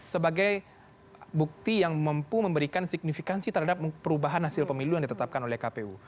sebagai bukti yang mampu memberikan signifikansi terhadap perubahan hasil pemilu yang ditetapkan oleh kpu